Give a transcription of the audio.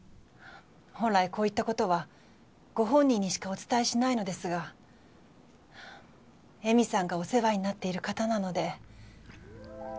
本来こういったことはご本人にしかお伝えしないのですが江美さんがお世話になっている方なので。